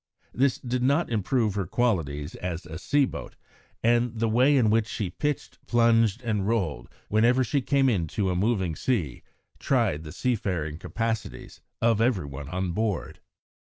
This did not improve her qualities as a sea boat, and the way in which she pitched, plunged, and rolled, whenever she came into a moving sea, tried the seafaring capacities of every one on board.